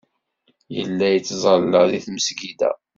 Yella yettẓalla deg tmesgida.